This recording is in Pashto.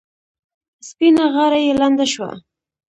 سپینه غاړه یې لنده شوه.